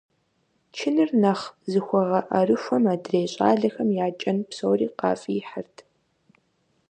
Чыныр нэхъ зыхуэгъэӀэрыхуэм адрей щӀалэхэм я кӀэн псори къафӀихьырт.